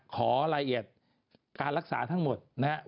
ขอรายละเอียดการรักษาทั้งหมด